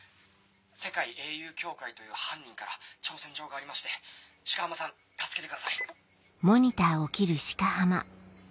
世界英雄協会という犯人から挑戦状がありまして鹿浜さん助けてください。